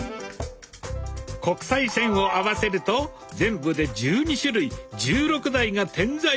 国際線を合わせると全部で１２種類１６台が点在。